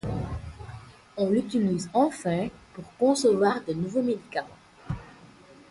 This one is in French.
On l'utilise enfin pour concevoir de nouveaux médicaments.